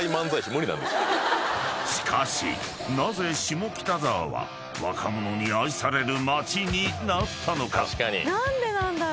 ［しかしなぜ下北沢は若者に愛される街になったのか？］